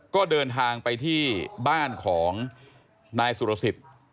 ก็เดินทางไปที่บ้านของนายสุรสิทธิ์